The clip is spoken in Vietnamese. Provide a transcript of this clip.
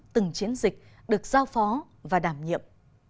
từng chiến dịch được giao phó và đảm nhiệm